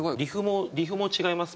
リフも違いますもんね。